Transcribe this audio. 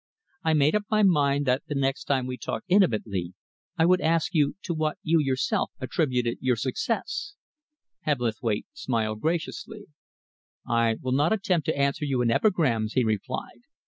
I made up my mind that the next time we talked intimately, I would ask you to what you yourself attributed your success?" Hebblethwaite smiled graciously. "I will not attempt to answer you in epigrams," he replied.